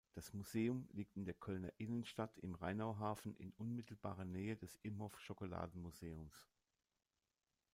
Das Museum liegt in der Kölner Innenstadt im Rheinauhafen in unmittelbarer Nähe des Imhoff-Schokoladenmuseums.